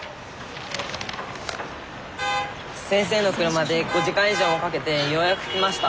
先生の車で５時間以上もかけてようやく来ました。